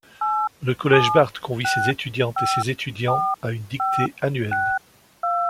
Le Collège Bart convie ses étudiantes et ses étudiants à une dictée annuelle.